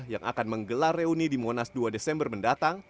yang akan menggelar reuni di monas dua desember mendatang